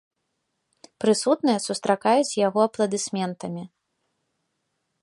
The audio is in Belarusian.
Прысутныя сустракаюць яго апладысментамі.